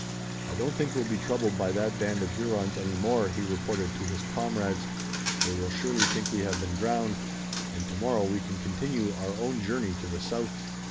"I don't think we'll be troubled by that band of Hurons any more," he reported to his comrades. "They will surely think we have been drowned, and tomorrow we can continue our own journey to the south."